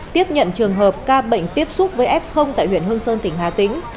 tiếp nhận trường hợp ca bệnh tiếp xúc với f tại huyện hương sơn tỉnh hà tĩnh